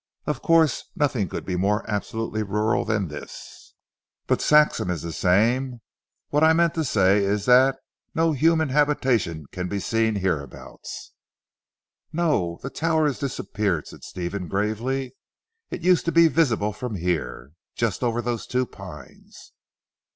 Of course nothing could be more absolutely rural than this, but Saxham is the same. What I meant to say is that no human habitation can be seen hereabouts." "No. The tower has disappeared;" said Stephen gravely, "it used to be visible from here. Just over those two pines."